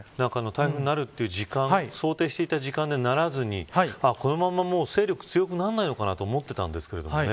台風になるという想定していた時間にならずにこのまま勢力強くならないのかなと思っていたんですけれどもね。